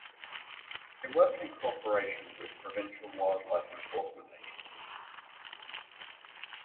They work in cooperation with provincial wildlife enforcement agencies.